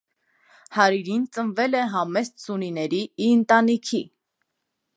Հարիրին ծնվել է համեստ սուննիների ի ընտանիքի։